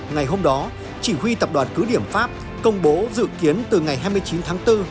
ngày hôm đó chỉ huy tập đoàn cứ điểm pháp công bố dự kiến từ ngày hai mươi chín tháng bốn